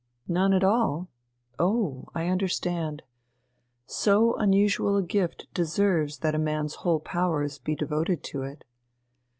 "None at all.... Oh, I understand. So unusual a gift deserves that a man's whole powers be devoted to it."